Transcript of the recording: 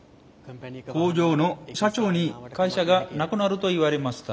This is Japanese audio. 工場の社長に会社がなくなると言われました。